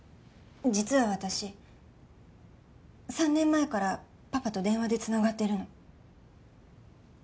実は私３年前からパパと電話でつながってるの。